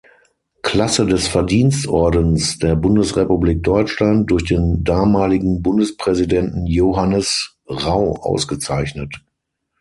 Klasse des Verdienstordens der Bundesrepublik Deutschland durch den damaligen Bundespräsidenten Johannes Rau ausgezeichnet.